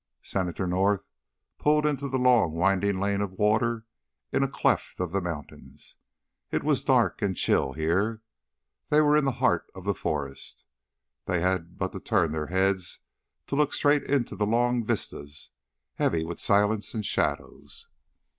Senator North pulled into the long winding lane of water in a cleft of the mountains. It was dark and chill here they were in the heart of the forest; they had but to turn their heads to look straight into the long vistas, heavy with silence and shadows.